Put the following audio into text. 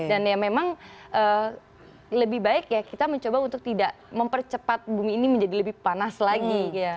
dan ya memang lebih baik ya kita mencoba untuk tidak mempercepat bumi ini menjadi lebih panas lagi